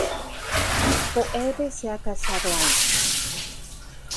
Phoebe se ha casado antes.